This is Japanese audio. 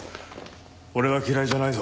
俺は嫌いじゃないぞ。